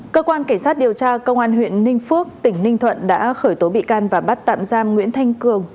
cơ quan cảnh sát điều tra công an huyện ninh phước tỉnh ninh thuận đã khởi tố bị can và bắt tạm giam nguyễn thanh cường